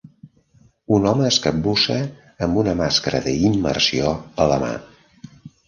Un home es capbussa amb una màscara d'immersió a la mà.